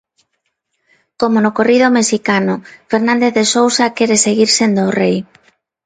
Como no corrido mexicano, Fernández de Sousa quere seguir sendo o rei.